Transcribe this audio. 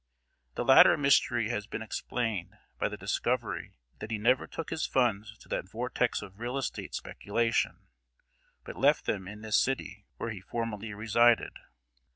The latter mystery has been explained by the discovery that he never took his funds to that vortex of real estate speculation, but left them in this city, where he formerly resided.